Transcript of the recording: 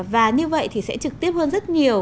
và như vậy thì sẽ trực tiếp hơn rất nhiều